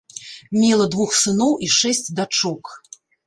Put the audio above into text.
Мела двух сыноў і шэсць дачок.